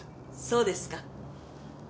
そうですか。